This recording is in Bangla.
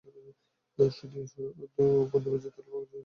তিনি অর্ধ অঙ্গ গঙ্গাজলে নিমজ্জিত হয়ে ব্রহ্মরন্ধ্র ভেদ করে দেহত্যাগ করেন।